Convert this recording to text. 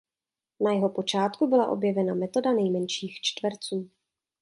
Na jeho počátku byla objevena metoda nejmenších čtverců.